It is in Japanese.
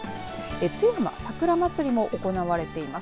津山さくらまつりも行われています。